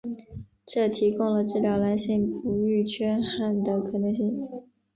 这提供了治疗男性不育缺憾的可能性。